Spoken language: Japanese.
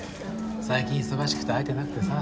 最近忙しくて会えてなくてさ。